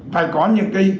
phải có những cái